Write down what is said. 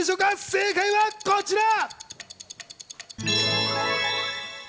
正解はこちら！